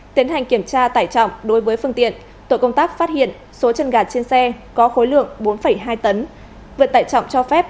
tiến hành kiểm tra tải trọng đối với phương tiện tội công tác phát hiện số chân gà trên xe có khối lượng bốn hai tấn vượt tải trọng cho phép